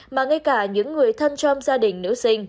mà ngay cả những người thân trong gia đình nữ sinh